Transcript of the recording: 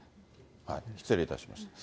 失礼いたしました。